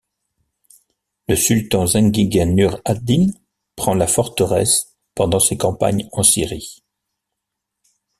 Le sultan zengide Nur ad-Din prend la forteresse pendant ses campagnes en Syrie.